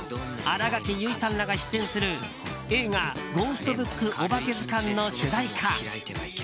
新垣結衣さんらが出演する映画「ゴーストブックおばけずかん」の主題歌。